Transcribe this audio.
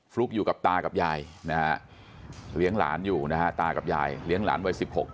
ฟุ๊กอยู่กับตากับยายนะฮะเลี้ยงหลานอยู่นะฮะตากับยายเลี้ยงหลานวัย๑๖